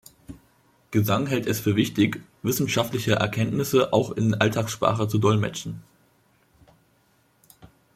Gesang hält es für wichtig, wissenschaftliche Erkenntnisse auch in Alltagssprache zu "dolmetschen".